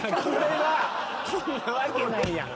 こんなわけないやん。